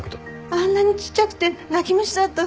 あんなにちっちゃくて泣き虫だったのに。